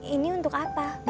ini untuk apa